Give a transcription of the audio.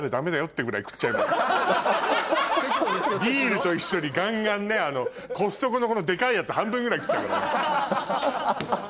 ビールと一緒にガンガンねコストコのデカいやつ半分ぐらい食っちゃうから。